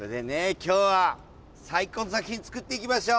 今日は最高の作品作っていきましょう！